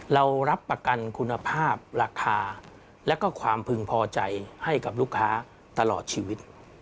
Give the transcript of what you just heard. เรารับประกันคุณภาพราคาและความพึงพอใจให้กับลูกค้าตลอดชีวิต